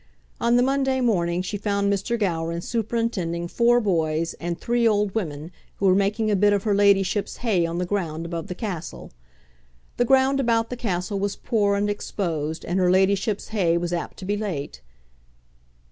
On the Monday morning she found Mr. Gowran superintending four boys and three old women, who were making a bit of her ladyship's hay on the ground above the castle. The ground about the castle was poor and exposed, and her ladyship's hay was apt to be late.